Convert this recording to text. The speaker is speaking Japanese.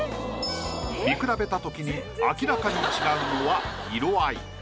見比べた時に明らかに違うのは色合い。